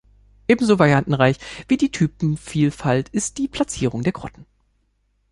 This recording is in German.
Ebenso variantenreich wie die Typenvielfalt ist die Platzierung der Grotten.